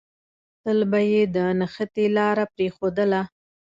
تل به يې د نښتې لاره پرېښودله.